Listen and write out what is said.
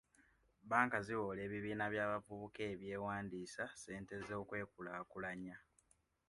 Banka ziwola ebibiina by'abavubuka ebyewandiisa ssente z'okwekulaakulanya.